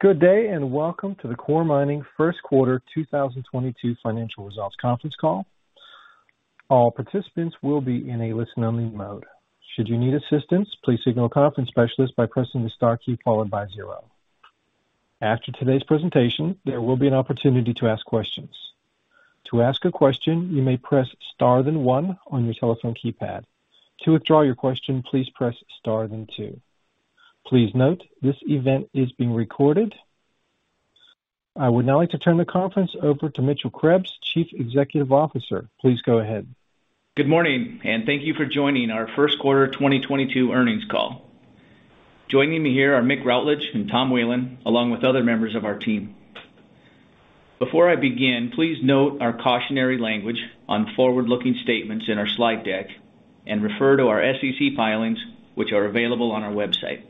Good day, and welcome to the Coeur Mining Q1 2022 financial results conference call. All participants will be in a listen-only mode. Should you need assistance, please signal a conference specialist by pressing the star key followed by zero. After today's presentation, there will be an opportunity to ask questions. To ask a question, you may press star then one on your telephone keypad. To withdraw your question, please press star then two. Please note this event is being recorded. I would now like to turn the conference over to Mitchell Krebs, Chief Executive Officer. Please go ahead. Good morning, and thank you for joining our Q1 2022 earnings call. Joining me here are Mick Routledge and Tom Whelan, along with other members of our team. Before I begin, please note our cautionary language on forward-looking statements in our slide deck and refer to our SEC filings, which are available on our website.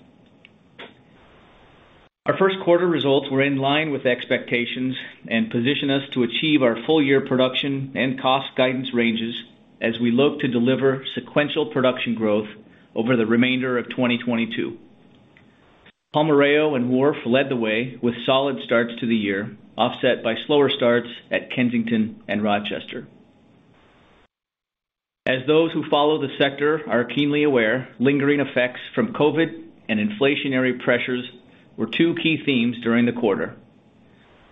Our Q1 results were in line with expectations and position us to achieve our full year production and cost guidance ranges as we look to deliver sequential production growth over the remainder of 2022. Palmarejo and Wharf led the way with solid starts to the year, offset by slower starts at Kensington and Rochester. Those who follow the sector are keenly aware, lingering effects from COVID and inflationary pressures were two key themes during the quarter.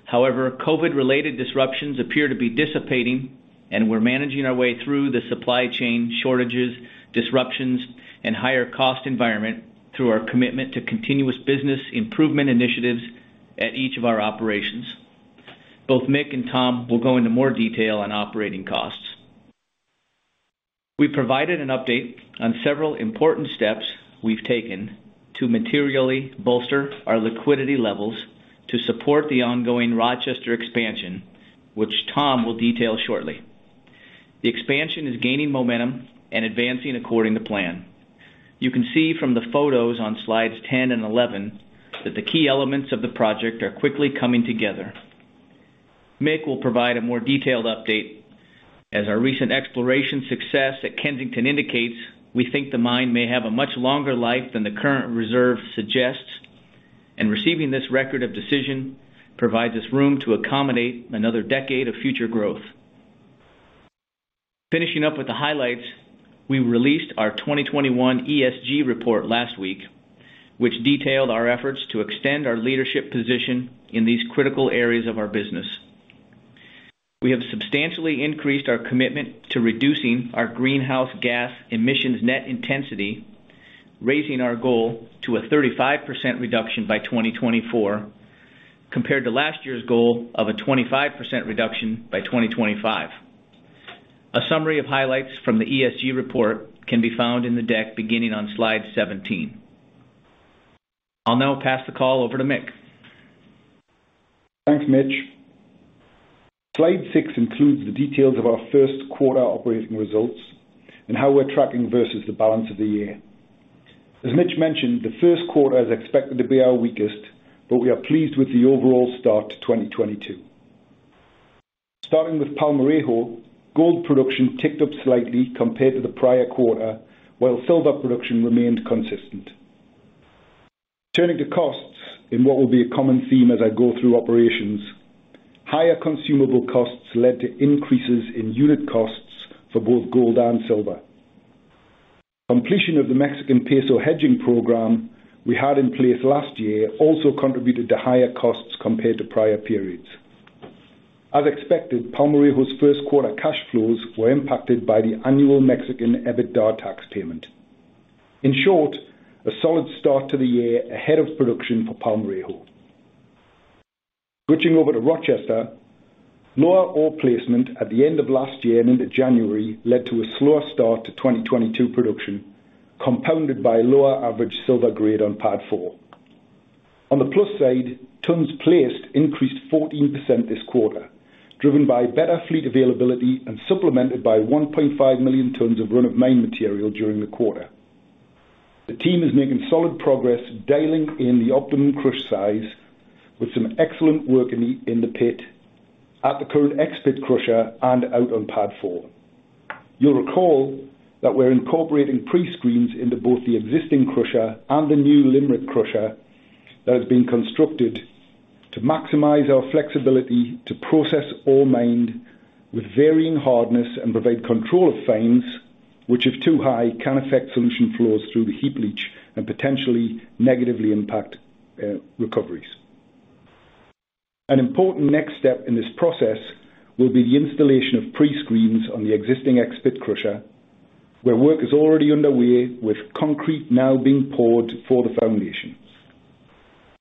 However, COVID-related disruptions appear to be dissipating, and we're managing our way through the supply chain shortages, disruptions, and higher cost environment through our commitment to continuous business improvement initiatives at each of our operations. Both Mick and Tom will go into more detail on operating costs. We provided an update on several important steps we've taken to materially bolster our liquidity levels to support the ongoing Rochester expansion, which Tom will detail shortly. The expansion is gaining momentum and advancing according to plan. You can see from the photos on slides 10 and 11 that the key elements of the project are quickly coming together. Mick will provide a more detailed update. As our recent exploration success at Kensington indicates, we think the mine may have a much longer life than the current reserve suggests, and receiving this Record of Decision provides us room to accommodate another decade of future growth. Finishing up with the highlights, we released our 2021 ESG report last week, which detailed our efforts to extend our leadership position in these critical areas of our business. We have substantially increased our commitment to reducing our greenhouse gas emissions net intensity, raising our goal to a 35% reduction by 2024, compared to last year's goal of a 25% reduction by 2025. A summary of highlights from the ESG report can be found in the deck beginning on slide 17. I'll now pass the call over to Mick. Thanks, Mitch. Slide 6 includes the details of our Q1 operating results and how we're tracking versus the balance of the year. As Mitch mentioned, the Q1 is expected to be our weakest, but we are pleased with the overall start to 2022. Starting with Palmarejo, gold production ticked up slightly compared to the prior quarter, while silver production remained consistent. Turning to costs, in what will be a common theme as I go through operations, higher consumable costs led to increases in unit costs for both gold and silver. Completion of the Mexican Peso hedging program we had in place last year also contributed to higher costs compared to prior periods. As expected, Palmarejo's Q1 cash flows were impacted by the annual Mexican EBITDA tax payment. In short, a solid start to the year ahead of production for Palmarejo. Switching over to Rochester, lower ore placement at the end of last year into January led to a slower start to 2022 production, compounded by lower average silver grade on Pad 4. On the plus side, tons placed increased 14% this quarter, driven by better fleet availability and supplemented by 1.5 million tons of run-of-mine material during the quarter. The team is making solid progress dialing in the optimum crush size with some excellent work in the pit at the current X pit crusher and out on Pad 4. You'll recall that we're incorporating pre-screens into both the existing crusher and the new limerick crusher that has been constructed to maximize our flexibility to process all mined with varying hardness and provide control of fines which, if too high, can affect solution flows through the heap leach and potentially negatively impact recoveries. An important next step in this process will be the installation of pre-screens on the existing X pit crusher, where work is already underway with concrete now being poured for the foundation.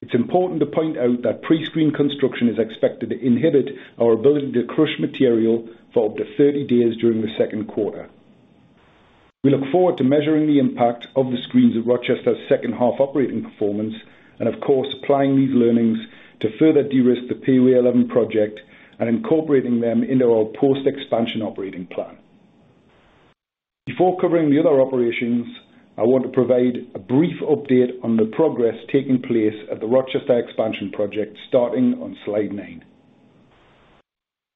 It's important to point out that pre-screen construction is expected to inhibit our ability to crush material for up to 30 days during the Q2. We look forward to measuring the impact of the screens at Rochester's second half operating performance and of course, applying these learnings to further de-risk the PWA eleven project and incorporating them into our post-expansion operating plan. Before covering the other operations, I want to provide a brief update on the progress taking place at the Rochester expansion project, starting on slide 9.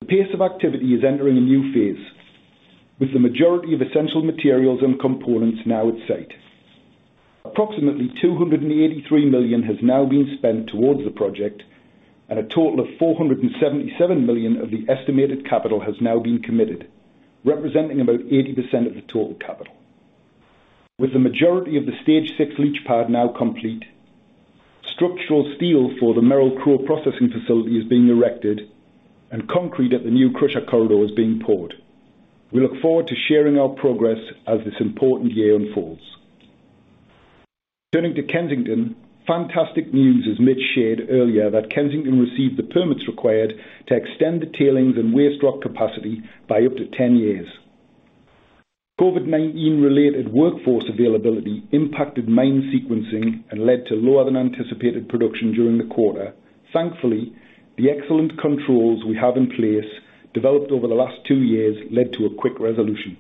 The pace of activity is entering a new phase, with the majority of essential materials and components now at site. Approximately $283 million has now been spent towards the project, and a total of $477 million of the estimated capital has now been committed, representing about 80% of the total capital. With the majority of the stage six leach pad now complete, structural steel for the Merrill-Crowe processing facility is being erected, and concrete at the new crusher corridor is being poured. We look forward to sharing our progress as this important year unfolds. Turning to Kensington, fantastic news, as Mitch shared earlier, that Kensington received the permits required to extend the tailings and waste rock capacity by up to 10 years. COVID-19 related workforce availability impacted mine sequencing and led to lower than anticipated production during the quarter. Thankfully, the excellent controls we have in place developed over the last 2 years led to a quick resolution.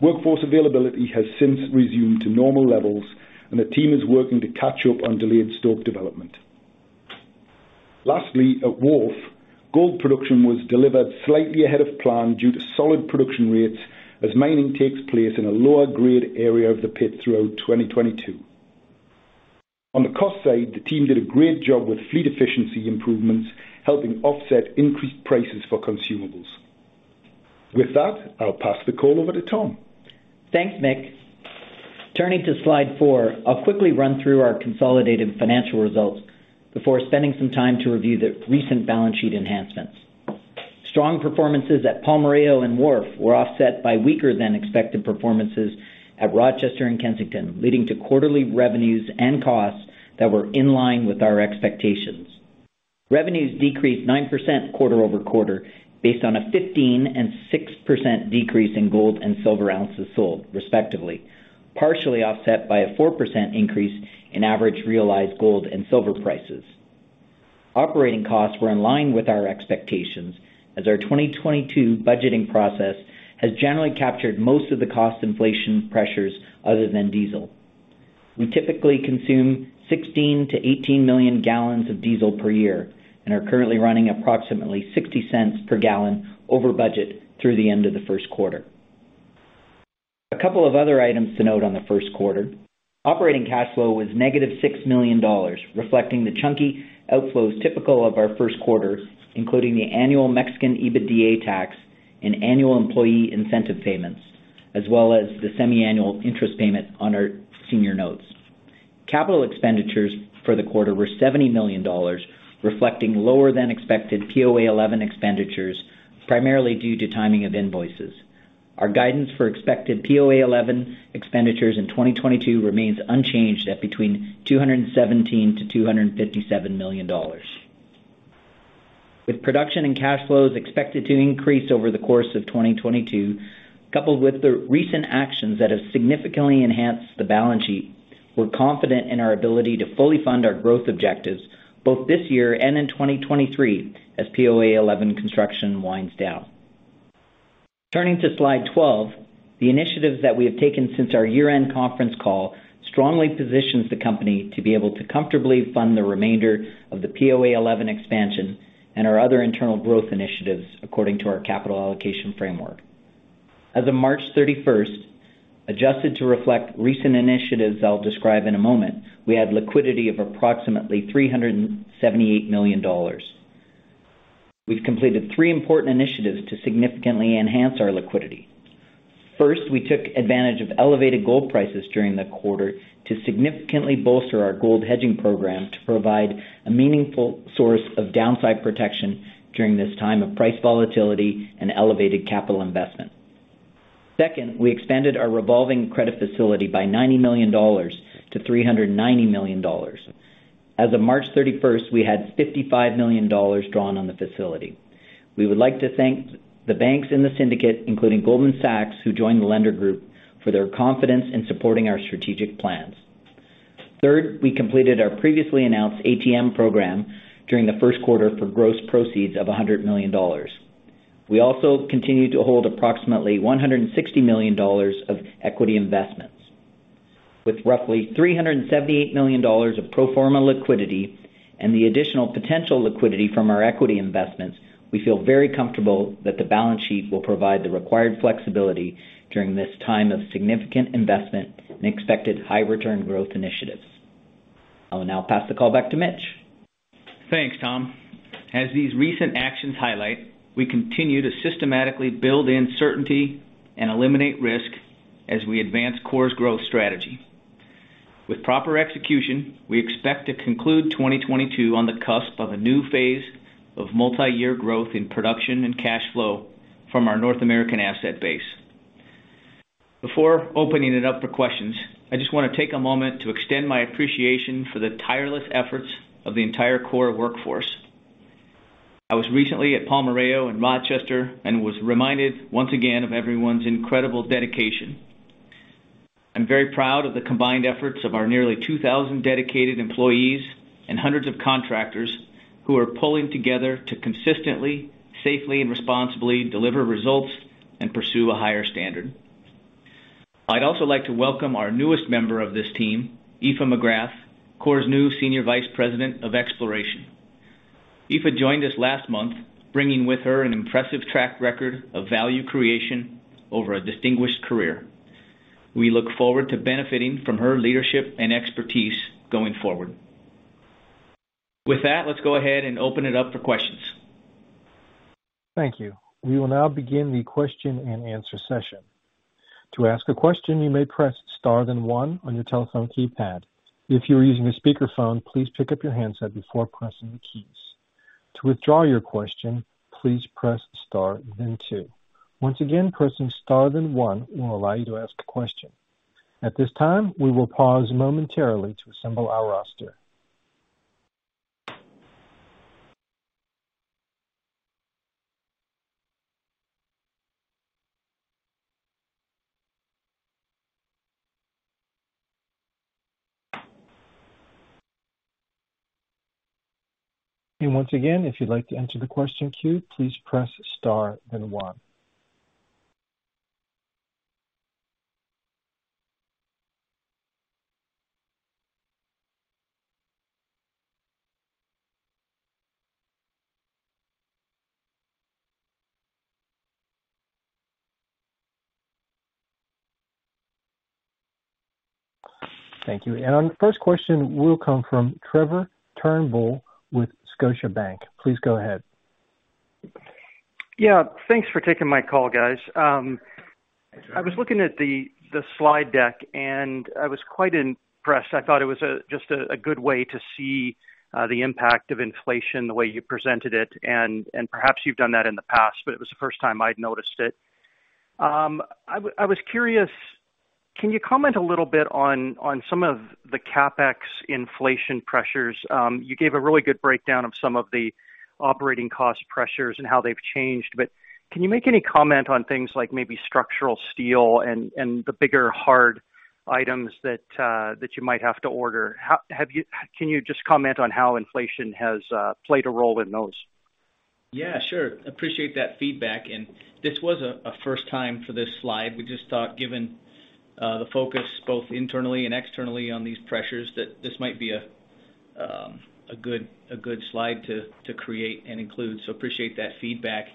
Workforce availability has since resumed to normal levels, and the team is working to catch up on delayed stope development. Lastly, at Wharf, gold production was delivered slightly ahead of plan due to solid production rates as mining takes place in a lower grade area of the pit throughout 2022. On the cost side, the team did a great job with fleet efficiency improvements, helping offset increased prices for consumables. With that, I'll pass the call over to Tom Whelan. Thanks, Mick. Turning to slide 4, I'll quickly run through our consolidated financial results before spending some time to review the recent balance sheet enhancements. Strong performances at Palmarejo and Wharf were offset by weaker than expected performances at Rochester and Kensington, leading to quarterly revenues and costs that were in line with our expectations. Revenues decreased 9% quarter-over-quarter based on a 15% and 6% decrease in gold and silver ounces sold, respectively, partially offset by a 4% increase in average realized gold and silver prices. Operating costs were in line with our expectations as our 2022 budgeting process has generally captured most of the cost inflation pressures other than diesel. We typically consume 16-18 million gallons of diesel per year and are currently running approximately $0.60 per gallon over budget through the end of the Q1. A couple of other items to note on the Q1. Operating cash flow was negative $6 million, reflecting the chunky outflows typical of our Q1, including the annual Mexican EBITDA tax and annual employee incentive payments, as well as the semiannual interest payment on our senior notes. Capital expenditures for the quarter were $70 million, reflecting lower than expected POA 11 expenditures, primarily due to timing of invoices. Our guidance for expected POA 11 expenditures in 2022 remains unchanged at between $217 million-$257 million. With production and cash flows expected to increase over the course of 2022, coupled with the recent actions that have significantly enhanced the balance sheet, we're confident in our ability to fully fund our growth objectives both this year and in 2023 as POA 11 construction winds down. Turning to slide 12. The initiatives that we have taken since our year-end conference call strongly positions the company to be able to comfortably fund the remainder of the POA 11 expansion and our other internal growth initiatives according to our capital allocation framework. As of March 31st, adjusted to reflect recent initiatives I'll describe in a moment, we had liquidity of approximately $378 million. We've completed 3 important initiatives to significantly enhance our liquidity. First, we took advantage of elevated gold prices during the quarter to significantly bolster our gold hedging program to provide a meaningful source of downside protection during this time of price volatility and elevated capital investment. Second, we expanded our revolving credit facility by $90 million to $390 million. As of March 31st, we had $55 million drawn on the facility. We would like to thank the banks in the syndicate, including Goldman Sachs, who joined the lender group, for their confidence in supporting our strategic plans. Third, we completed our previously announced ATM program during the Q1 for gross proceeds of $100 million. We also continued to hold approximately $160 million of equity investments. With roughly $378 million of pro forma liquidity and the additional potential liquidity from our equity investments, we feel very comfortable that the balance sheet will provide the required flexibility during this time of significant investment and expected high return growth initiatives. I will now pass the call back to Mitch. Thanks, Tom. As these recent actions highlight, we continue to systematically build in certainty and eliminate risk as we advance Coeur's growth strategy. With proper execution, we expect to conclude 2022 on the cusp of a new phase of multi-year growth in production and cash flow from our North American asset base. Before opening it up for questions, I just want to take a moment to extend my appreciation for the tireless efforts of the entire Coeur workforce. I was recently at Palmarejo in Rochester and was reminded once again of everyone's incredible dedication. I'm very proud of the combined efforts of our nearly 2,000 dedicated employees and hundreds of contractors who are pulling together to consistently, safely, and responsibly deliver results and pursue a higher standard. I'd also like to welcome our newest member of this team, Aoife McGrath, Coeur's new Senior Vice President of Exploration. Aoife joined us last month, bringing with her an impressive track record of value creation over a distinguished career. We look forward to benefiting from her leadership and expertise going forward. With that, let's go ahead and open it up for questions. Thank you. We will now begin the question-and-answer session. To ask a question, you may press Star-One on your telephone keypad. If you're using a speakerphone, please pick up your handset before pressing the keys. To withdraw your question, please press Star then two. Once again, pressing Star then one will allow you to ask a question. At this time, we will pause momentarily to assemble our roster. Once again, if you'd like to enter the question queue, please press Star then one. Thank you. Our first question will come from Trevor Turnbull with Scotiabank. Please go ahead. Yeah, thanks for taking my call, guys. I was looking at the slide deck, and I was quite impressed. I thought it was just a good way to see the impact of inflation, the way you presented it. Perhaps you've done that in the past, but it was the first time I'd noticed it. I was curious, can you comment a little bit on some of the CapEx inflation pressures? You gave a really good breakdown of some of the operating cost pressures and how they've changed. Can you make any comment on things like maybe structural steel and the bigger, hard items that you might have to order? Can you just comment on how inflation has played a role in those? Yeah, sure. Appreciate that feedback. This was a first time for this slide. We just thought, given the focus both internally and externally on these pressures, that this might be a good slide to create and include. Appreciate that feedback.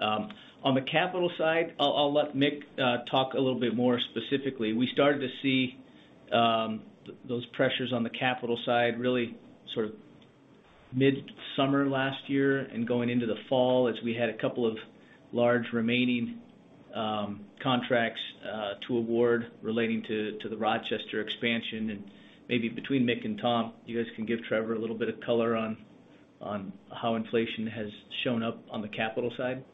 On the capital side, I'll let Mick talk a little bit more specifically. We started to see those pressures on the capital side really sort of midsummer last year and going into the fall as we had a couple of large remaining contracts to award relating to the Rochester expansion. Maybe between Mick and Tom, you guys can give Trevor a little bit of color on how inflation has shown up on the capital side.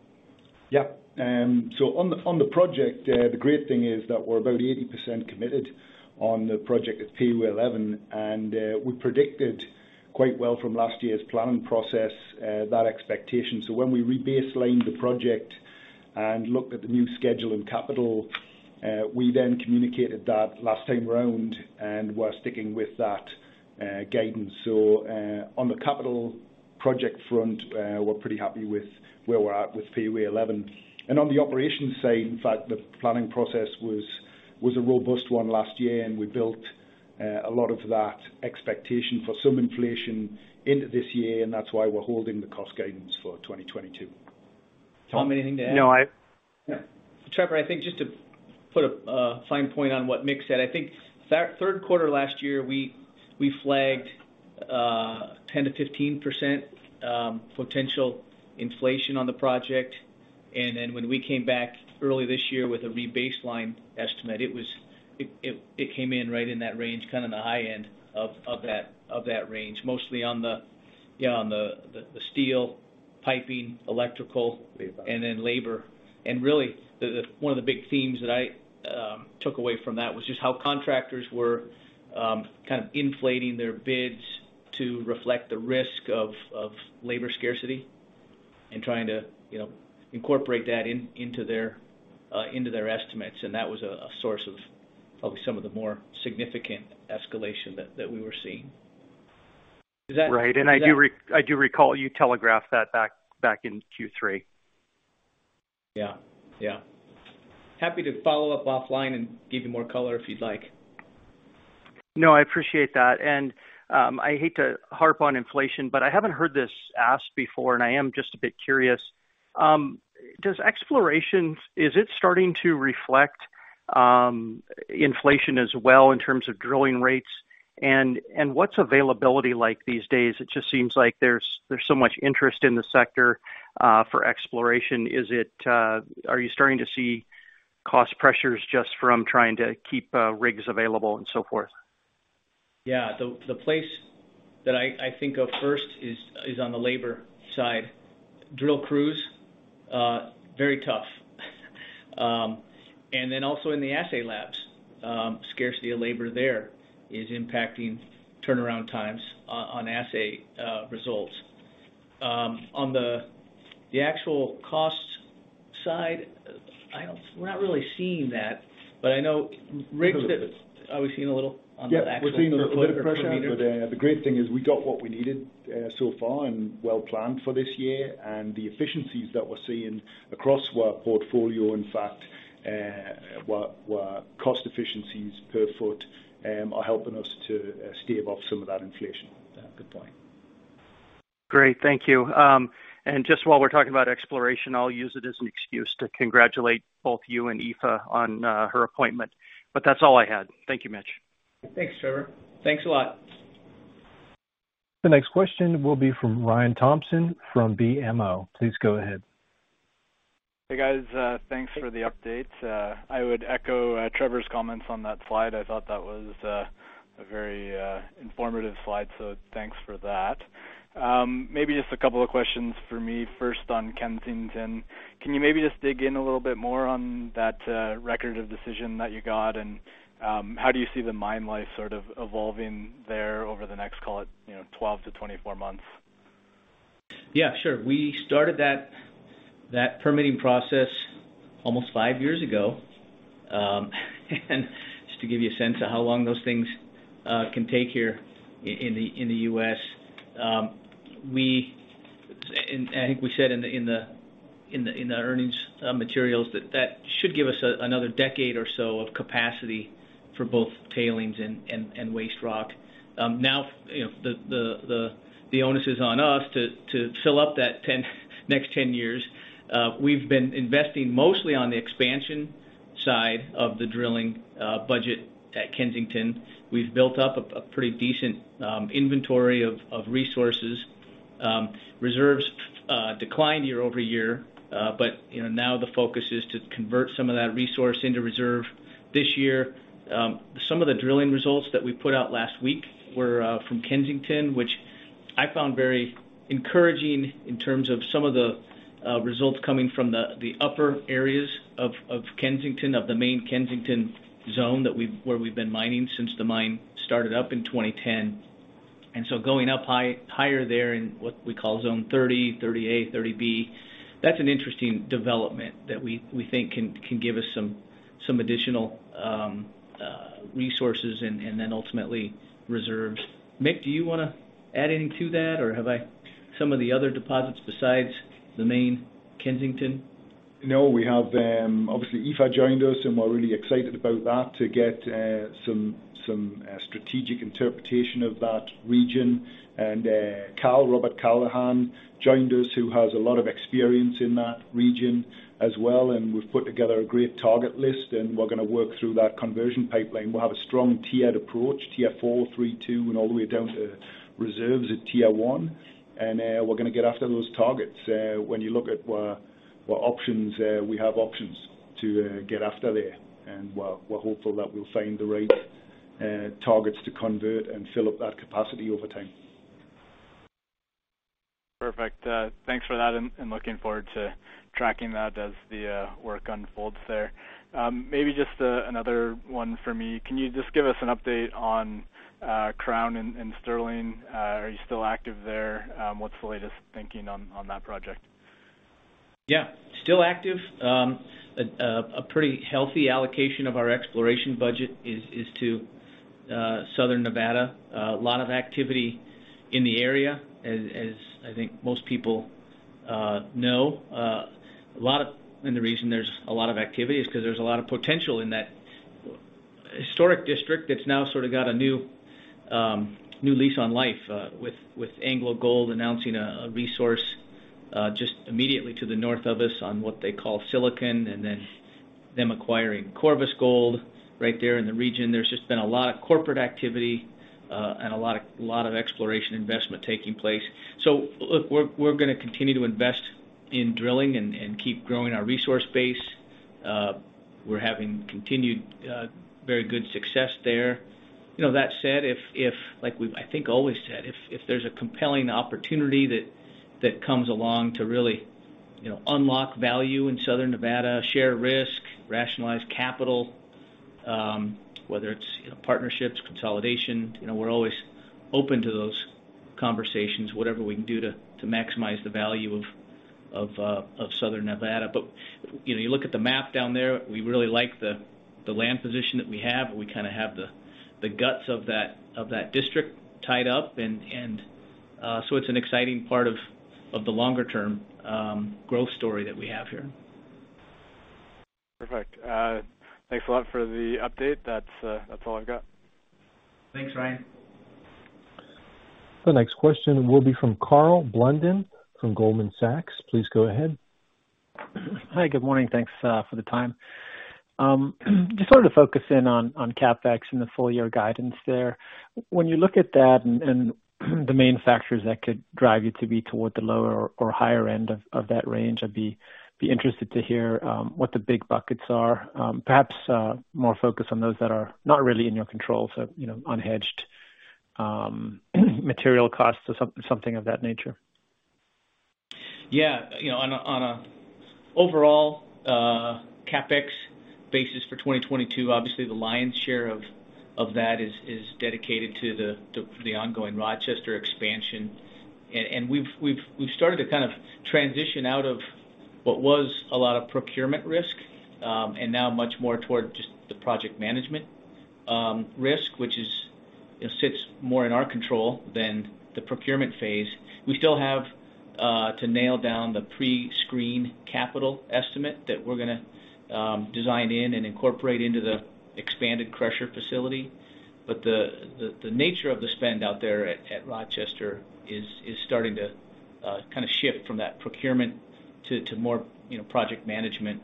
Yeah. On the project, the great thing is that we're about 80% committed on the project at PUA Eleven, and we predicted quite well from last year's planning process that expectation. When we rebaselined the project and looked at the new schedule and capital, we then communicated that last time around, and we're sticking with that guidance. On the capital project front, we're pretty happy with where we're at with PUA Eleven. On the operations side, in fact, the planning process was a robust one last year, and we built a lot of that expectation for some inflation into this year, and that's why we're holding the cost guidance for 2022. Tom, anything to add? No. Trevor, I think just to put a fine point on what Mick said, I think Q3 last year, we flagged 10%-15% potential inflation on the project. Then when we came back early this year with a rebaseline estimate, it came in right in that range, kind of the high end of that range, mostly on the, you know, on the steel, piping, electrical. Labor. Labor. Really, one of the big themes that I took away from that was just how contractors were kind of inflating their bids to reflect the risk of labor scarcity and trying to, you know, incorporate that into their estimates. That was a source of some of the more significant escalation that we were seeing. Does that? Right. I do recall you telegraphed that back in Q3. Yeah. Happy to follow up offline and give you more color if you'd like. No, I appreciate that. I hate to harp on inflation, but I haven't heard this asked before, and I am just a bit curious. Is it starting to reflect inflation as well in terms of drilling rates? What's availability like these days? It just seems like there's so much interest in the sector for exploration. Are you starting to see cost pressures just from trying to keep rigs available and so forth? Yeah. The place that I think of first is on the labor side. Drill crews, very tough. Also in the assay labs, scarcity of labor there is impacting turnaround times on assay results. On the actual costs side, we're not really seeing that, but I know rigs that we're seeing a little on the actual- Yeah, we're seeing a little bit of pressure. The great thing is we got what we needed so far and well planned for this year. The efficiencies that we're seeing across our portfolio, in fact, our cost efficiencies per foot, are helping us to stave off some of that inflation. Good point. Great. Thank you. Just while we're talking about exploration, I'll use it as an excuse to congratulate both you and Aoife on her appointment. But that's all I had. Thank you, Mitch. Thanks, Trevor. Thanks a lot. The next question will be from Ryan Thompson from BMO. Please go ahead. Hey, guys, thanks for the updates. I would echo Trevor's comments on that slide. I thought that was a very informative slide, so thanks for that. Maybe just a couple of questions for me, first on Kensington. Can you maybe just dig in a little bit more on that Record of Decision that you got, and how do you see the mine life sort of evolving there over the next, call it, you know, 12-24 months? Yeah, sure. We started that permitting process almost 5 years ago. Just to give you a sense of how long those things can take here in the U.S. I think we said in the earnings materials that should give us another decade or so of capacity for both tailings and waste rock. Now, you know, the onus is on us to fill up that next 10 years. We've been investing mostly on the expansion side of the drilling budget at Kensington. We've built up a pretty decent inventory of resources. Reserves declined year-over-year, but you know, now the focus is to convert some of that resource into reserve this year. Some of the drilling results that we put out last week were from Kensington, which I found very encouraging in terms of some of the results coming from the upper areas of Kensington, of the main Kensington zone where we've been mining since the mine started up in 2010. Going up higher there in what we call zone 30-A, 30-B, that's an interesting development that we think can give us some additional resources and then ultimately reserves. Mick, do you wanna add anything to that, or have I. Some of the other deposits besides the main Kensington? No, we have obviously Aoife joined us, and we're really excited about that, to get some strategic interpretation of that region. Cal, Robert Callahan, joined us, who has a lot of experience in that region as well, and we've put together a great target list, and we're gonna work through that conversion pipeline. We'll have a strong tiered approach, tier four, three, two, and all the way down to reserves at tier one. We're gonna get after those targets. When you look at our options, we have options to get after there. We're hopeful that we'll find the right targets to convert and fill up that capacity over time. Perfect. Thanks for that, and looking forward to tracking that as the work unfolds there. Maybe just another one for me. Can you just give us an update on Crown and Sterling? Are you still active there? What's the latest thinking on that project? Yeah, still active. A pretty healthy allocation of our exploration budget is to southern Nevada. A lot of activity in the area, as I think most people know. The reason there's a lot of activity is 'cause there's a lot of potential in that historic district that's now sort of got a new lease on life with AngloGold Ashanti announcing a resource just immediately to the north of us on what they call Silicon and then them acquiring Corvus Gold right there in the region. There's just been a lot of corporate activity and a lot of exploration investment taking place. Look, we're gonna continue to invest in drilling and keep growing our resource base. We're having continued very good success there. You know, that said, if like we've, I think, always said, if there's a compelling opportunity that comes along to really, you know, unlock value in southern Nevada, share risk, rationalize capital, whether it's, you know, partnerships, consolidation, you know, we're always open to those conversations, whatever we can do to maximize the value of southern Nevada. You know, you look at the map down there, we really like the land position that we have. We kinda have the guts of that district tied up and so it's an exciting part of the longer term growth story that we have here. Perfect. Thanks a lot for the update. That's all I've got. Thanks, Ryan. The next question will be from Carl Landon from Goldman Sachs. Please go ahead. Hi, good morning. Thanks for the time. Just wanted to focus in on CapEx and the full year guidance there. When you look at that and the main factors that could drive you to be toward the lower or higher end of that range, I'd be interested to hear what the big buckets are. Perhaps more focused on those that are not really in your control, so you know, unhedged material costs or something of that nature. Yeah. You know, on an overall CapEx basis for 2022, obviously, the lion's share of that is dedicated to the ongoing Rochester expansion. We've started to kind of transition out of what was a lot of procurement risk and now much more toward just the project management risk, which you know sits more in our control than the procurement phase. We still have to nail down the pre-screen capital estimate that we're gonna design in and incorporate into the expanded crusher facility. But the nature of the spend out there at Rochester is starting to kind of shift from that procurement to more, you know, project management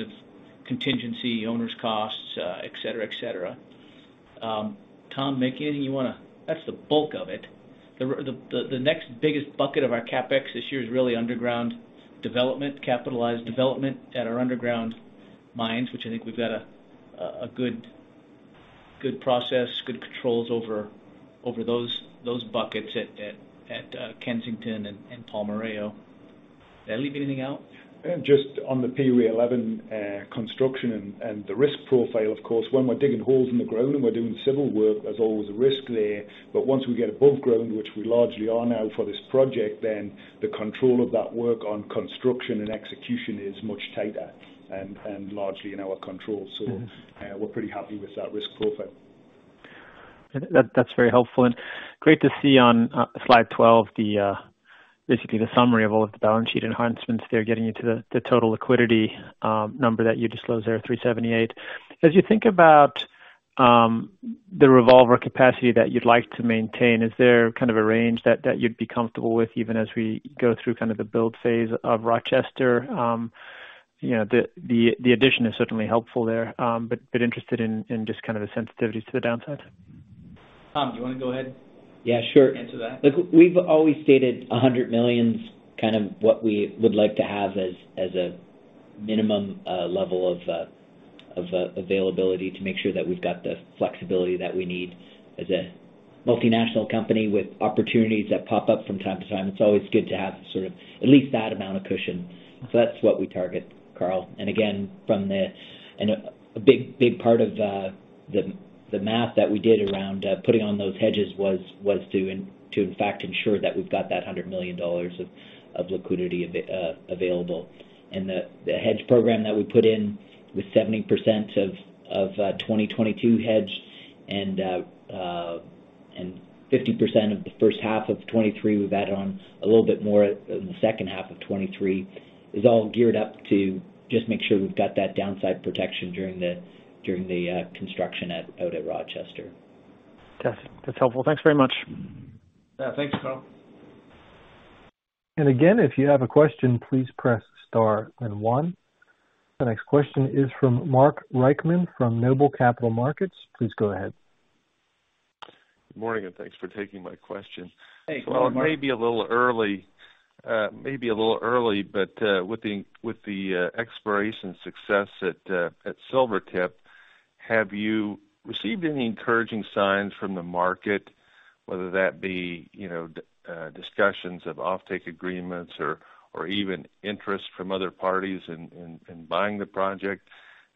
of contingency, owner's costs, et cetera. Tom, Mick, anything you wanna. That's the bulk of it. The next biggest bucket of our CapEx this year is really underground development, capitalized development at our underground mines, which I think we've got a good process, good controls over those buckets at Kensington and Palmarejo. Did I leave anything out? Just on the POA 11, construction and the risk profile, of course, when we're digging holes in the ground and we're doing civil work, there's always a risk there. Once we get above ground, which we largely are now for this project, then the control of that work on construction and execution is much tighter and largely in our control. We're pretty happy with that risk profile. That's very helpful. Great to see on slide 12 the basically the summary of all of the balance sheet enhancements there, getting into the total liquidity number that you disclosed there, $378 million. As you think about the revolver capacity that you'd like to maintain, is there kind of a range that you'd be comfortable with even as we go through kind of the build phase of Rochester? You know, the addition is certainly helpful there, but interested in just kind of the sensitivities to the downside. Tom, do you wanna go ahead? Yeah, sure. Answer that? Look, we've always stated $100 million's kind of what we would like to have as a minimum level of availability to make sure that we've got the flexibility that we need. As a multinational company with opportunities that pop up from time to time, it's always good to have sort of at least that amount of cushion. That's what we target, Carl. A big part of the math that we did around putting on those hedges was to, in fact, ensure that we've got that $100 million of liquidity available. The hedge program that we put in with 70% of 2022 hedged and 50% of the first half of 2023, we've added on a little bit more in the second half of 2023. It's all geared up to just make sure we've got that downside protection during the construction out at Rochester. Okay. That's helpful. Thanks very much. Yeah. Thanks, Carl. Again, if you have a question, please press star then one. The next question is from Mark Reichman from Noble Capital Markets. Please go ahead. Good morning, and thanks for taking my question. Hey, good morning, Mark. It may be a little early, but with the exploration success at Silvertip, have you received any encouraging signs from the market, whether that be, you know, discussions of offtake agreements or even interest from other parties in buying the project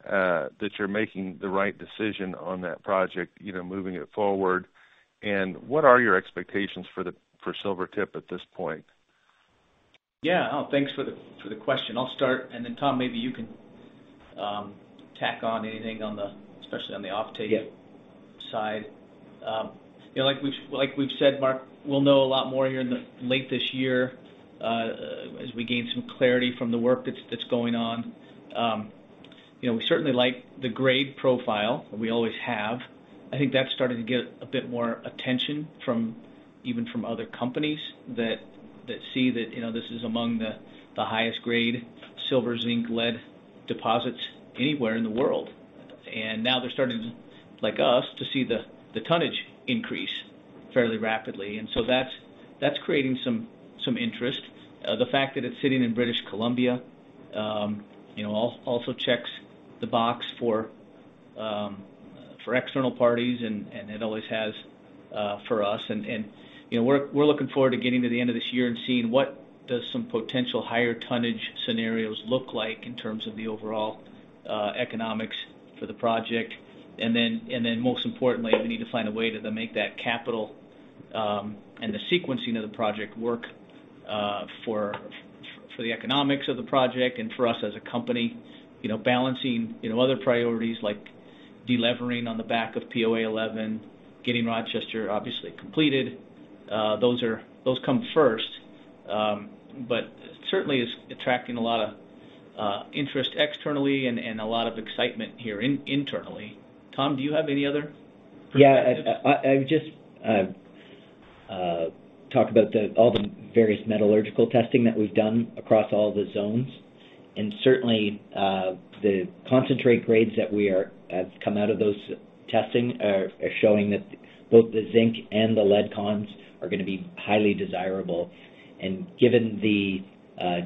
that you're making the right decision on that project, you know, moving it forward? What are your expectations for Silvertip at this point? Yeah. Oh, thanks for the question. I'll start, and then Tom, maybe you can tack on anything on the, especially on the offtake- Yeah... side. You know, like we've said, Mark, we'll know a lot more here in the late this year, as we gain some clarity from the work that's going on. You know, we certainly like the grade profile. We always have. I think that's starting to get a bit more attention from even other companies that see that, you know, this is among the highest grade silver, zinc, lead deposits anywhere in the world. Now they're starting, like us, to see the tonnage increase fairly rapidly. That's creating some interest. The fact that it's sitting in British Columbia, you know, also checks the box for external parties, and it always has, for us. You know, we're looking forward to getting to the end of this year and seeing what does some potential higher tonnage scenarios look like in terms of the overall economics for the project. Most importantly, we need to find a way to make that capital and the sequencing of the project work for the economics of the project and for us as a company. You know, balancing other priorities like de-levering on the back of POA 11, getting Rochester obviously completed, those come first. But certainly is attracting a lot of interest externally and a lot of excitement here internally. Tom, do you have any other perspectives? Yeah. I just talk about all the various metallurgical testing that we've done across all the zones. Certainly, the concentrate grades that we have come out of those tests are showing that both the zinc and the lead cons are gonna be highly desirable. Given the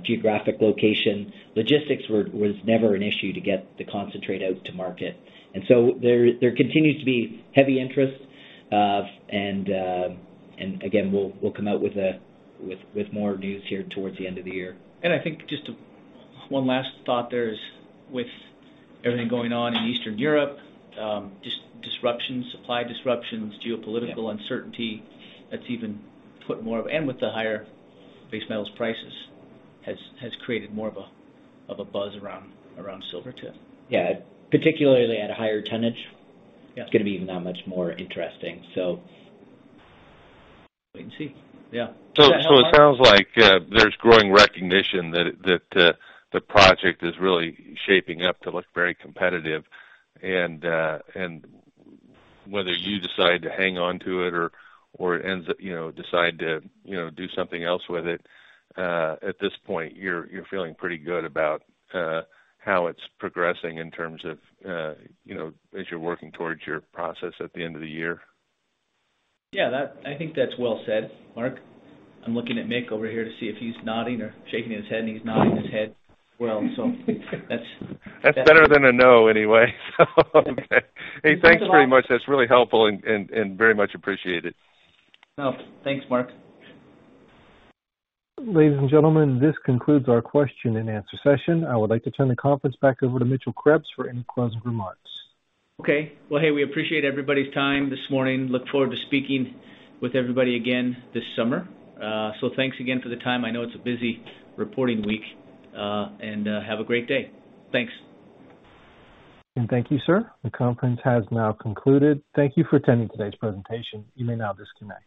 geographic location, logistics was never an issue to get the concentrate out to market. There continues to be heavy interest. Again, we'll come out with more news here towards the end of the year. I think just one last thought there is with everything going on in Eastern Europe, disruptions, supply disruptions, geopolitical uncertainty, that's even put more of a buzz around Silvertip. With the higher base metals prices has created more of a buzz around Silvertip. Yeah. Particularly at a higher tonnage. Yeah It's gonna be even that much more interesting. Wait and see. Yeah. It sounds like there's growing recognition that the project is really shaping up to look very competitive. Whether you decide to hang on to it or ends up, you know, decide to, you know, do something else with it, at this point, you're feeling pretty good about how it's progressing in terms of you know, as you're working towards your process at the end of the year. Yeah, that, I think that's well said, Mark. I'm looking at Mick over here to see if he's nodding or shaking his head, and he's nodding his head. That's better than a no, anyway. Okay. Hey, thanks very much. That's really helpful and very much appreciated. No, thanks, Mark. Ladies and gentlemen, this concludes our question and answer session. I would like to turn the conference back over to Mitchell Krebs for any closing remarks. Okay. Well, hey, we appreciate everybody's time this morning. Look forward to speaking with everybody again this summer. Thanks again for the time. I know it's a busy reporting week. Have a great day. Thanks. Thank you, sir. The conference has now concluded. Thank you for attending today's presentation. You may now disconnect.